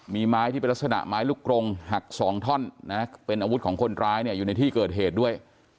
มีไม้ที่เป็นลักษณะไม้ลูกกรงหัก๒ท่อนนะเป็นอาวุธของคนร้ายเนี่ยอยู่ในที่เกิดเหตุด้วย